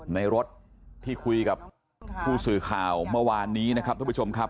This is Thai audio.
ในรถที่คุยกับผู้สื่อข่าวเมื่อวานนี้นะครับท่านผู้ชมครับ